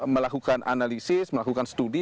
melakukan analisis melakukan studi